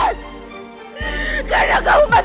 karena kamu mas aku kehilangan mas